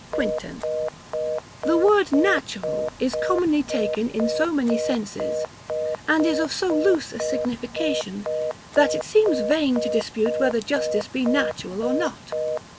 ] The word NATURAL is commonly taken in so many senses and is of so loose a signification, that it seems vain to dispute whether justice be natural or not.